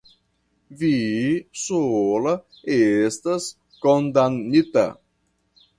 vi sola estas kondamnita!